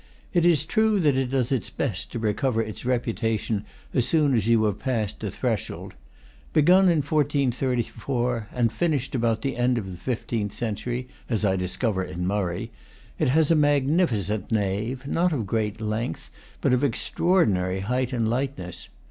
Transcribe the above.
It is true that it does its best to recover its reputation as soon as you have passed the threshold. Begun in 1434 and finished about the end of the fifteenth century, as I discover in Murray, it has a magnificent nave, not of great length, but of extraordinary height and lightness.